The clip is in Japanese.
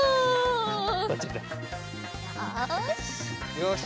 よし。